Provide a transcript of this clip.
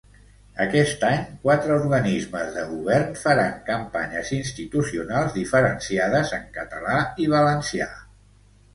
Aquest any, quatre organismes de govern faran campanyes institucionals diferenciades en català i valencià.